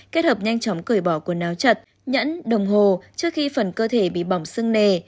kết hợp nhanh chóng cởi bỏ quần áo chật nhẫn đồng hồ trước khi phần cơ thể bị bỏng sưng nề